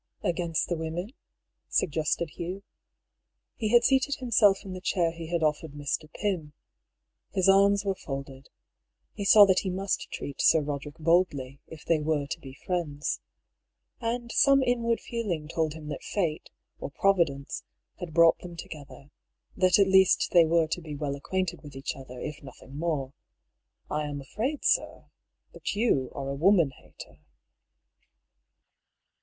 "Against the women?" suggested Hugh. He had seated himself in the chair he had offered Mr. Pym. His arms were folded. He saw that he must treat Sir Roderick boldly, if they were to be friends. And some inward feeling told him that Fate, or Providence, had brought them together — that at least they were to be well acquainted with each other, if nothing more. " I am afraid, sir, that you are a woman hater."